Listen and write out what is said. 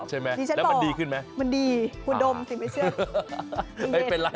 ใช่ไหมแล้วมันดีขึ้นไหมมันดีอุดมสิไม่เชื่อไม่เป็นไร